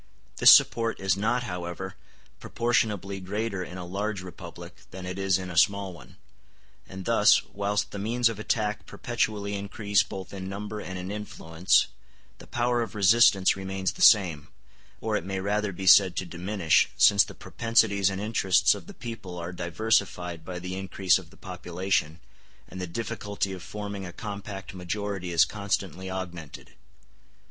This support is not, however, proportionably greater in a large republic than it is in a small one; and thus, whilst the means of attack perpetually increase both in number and in influence, the power of resistance remains the same, or it may rather be said to diminish, since the propensities and interests of the people are diversified by the increase of the population, and the difficulty of forming a compact majority is constantly augmented.